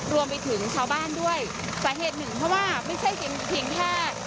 รวมไปถึงชาวบ้านด้วยสาเหตุหนึ่งเพราะว่าไม่ใช่เพียงแค่